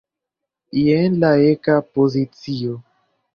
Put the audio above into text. Jen la eka pozicio.